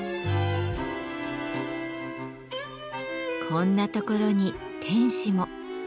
こんなところに天使も。